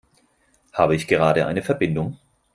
Habe ich gerade eine Verbindung?